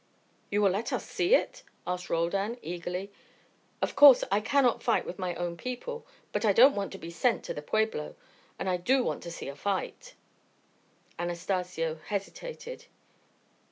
"You will let us see it?" asked Roldan, eagerly. "Of course I cannot fight my own people; but I don't want to be sent to the pueblo, and I do want to see a fight." Anastacio hesitated.